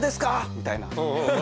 みたいな。